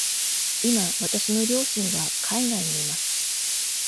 今わたしの両親は海外にいます。